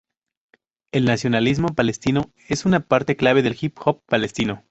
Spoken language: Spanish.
El nacionalismo palestino es una parte clave del hip hop palestino.